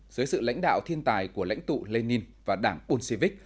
dưới sự lãnh đạo thiên tài của lãnh tụ lenin và đảng bolshevik